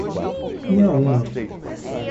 Inhaúma